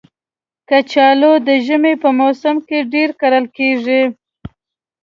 کچالو د ژمي په موسم کې ډېر کرل کېږي